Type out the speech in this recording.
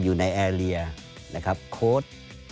อยู่ในแอรียนะครับโครต